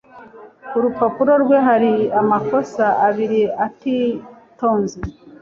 Ku rupapuro rwe hari amakosa abiri atitonze.